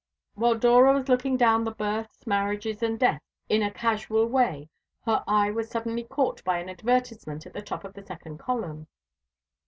While Dora was looking down the births, marriages, and deaths in a casual way, her eye was suddenly caught by an advertisement at the top of the second column.